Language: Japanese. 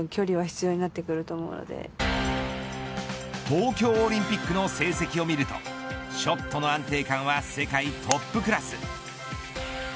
東京オリンピックの成績を見るとショットの安定感は世界トップクラス。